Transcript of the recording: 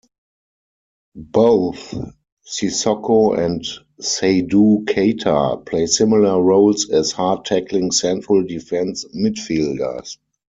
Both Sissoko and Seydou Keita play similar roles as hard-tackling central defensive midfielders.